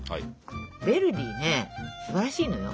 ヴェルディねすばらしいのよ。